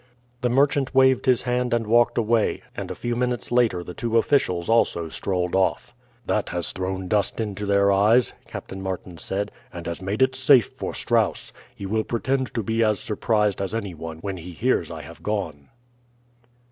The merchant waved his hand and walked away, and a few minutes later the two officials also strolled off. "That has thrown dust into their eyes," Captain Martin said, "and has made it safe for Strous. He will pretend to be as surprised as any one when he hears I have gone."